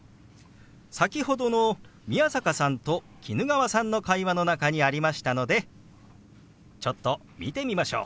先ほどの宮坂さんと衣川さんの会話の中にありましたのでちょっと見てみましょう。